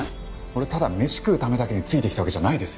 俺ただ飯食うためだけについてきたわけじゃないです。